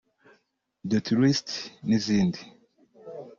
The Tourist n’izindi